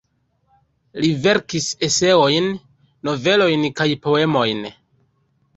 Li verkis eseojn, novelojn kaj poemojn.